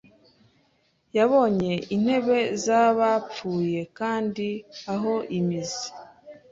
Yabonye intebe zabapfuye kandi aho imizi